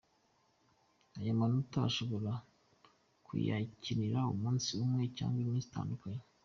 Ayo manota ushobora kuyakinira umunsi umwe cyangwa iminsi itandukanye.